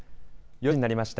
４時になりました。